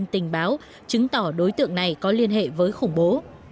những tin tình báo chứng tỏ đối tượng này có liên hệ với khủng bố